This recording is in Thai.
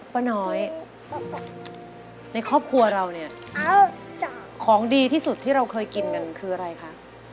ป้าน้อยในครอบครัวเราเนี่ยของดีที่สุดที่เราเคยกินกันคืออะไรคะ